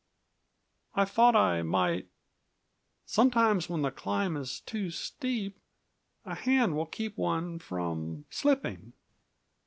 I thought I might sometimes when the climb is too steep, a hand will keep one from slipping."